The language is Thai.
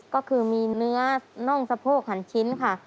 ก็คือมีเนื้อน่องสะโพกหันชิ้นค่ะ